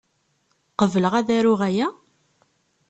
Qebleɣ ad aruɣ aya?